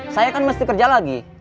saya kan mesti kerja lagi